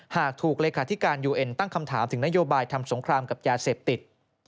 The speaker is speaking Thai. หากถูกเลขาธิการยูเอ็นตั้งคำถามถึงนโยบายทำสงครามกับยาเสพติด